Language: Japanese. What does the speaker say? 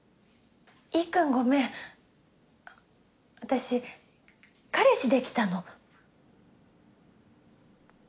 Ｅくんごめん私彼氏できたの。